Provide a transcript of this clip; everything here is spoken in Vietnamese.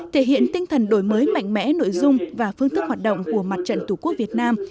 thể hiện tinh thần đổi mới mạnh mẽ nội dung và phương thức hoạt động của mặt trận tổ quốc việt nam